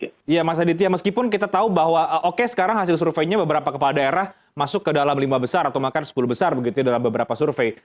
iya mas aditya meskipun kita tahu bahwa oke sekarang hasil surveinya beberapa kepala daerah masuk ke dalam lima besar atau bahkan sepuluh besar begitu ya dalam beberapa survei